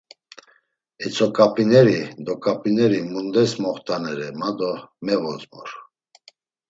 Etzoǩap̌ineri doǩap̌ineri mundes moxt̆anere ma do mevozmor.